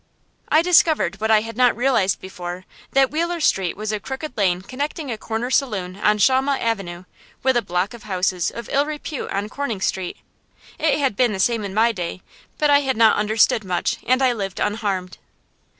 I discovered, what I had not realized before, that Wheeler Street was a crooked lane connecting a corner saloon on Shawmut Avenue with a block of houses of ill repute on Corning Street. It had been the same in my day, but I had not understood much, and I lived unharmed.